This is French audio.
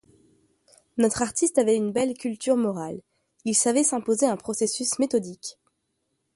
Notre artiste avait une belle culture morale, il savait s'imposer un processus méthodique.